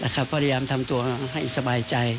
ก็พยายามทำตัวให้สบายใจ